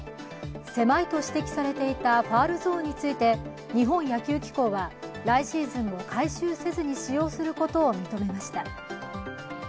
狭いと指摘されていたファウルゾーンについて日本野球機構は来シーズンも改修せずに使用することを認めました。